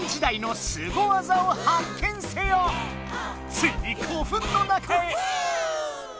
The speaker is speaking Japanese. ついに古墳の中へ！